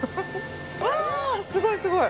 わー、すごい、すごい。